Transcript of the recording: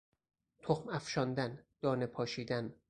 تخم افشاندن، دانه پاشیدن